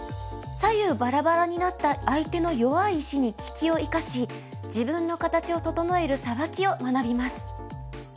左右バラバラになった相手の弱い石に利きを生かし自分の形を整えるサバキを学びます。